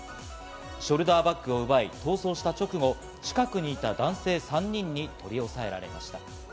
ショルダーバッグを奪い逃走した直後、近くにいた男性３人に取り押さえられました。